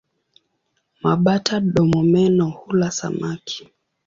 Mabata-domomeno hula samaki.